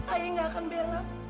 ayah nggak akan bela